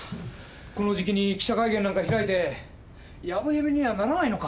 この時期に記者会見なんか開いてやぶへびにはならないのか？